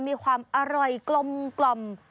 มีความอร่อยกลม